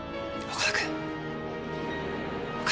岡田君」。